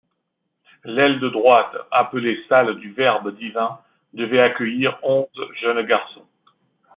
L'aile de droite, appelée salle du Verbe divin, devait accueillir onze jeunes garçons.